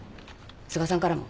須賀さんからも。